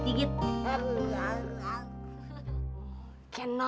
sedikit lagi kan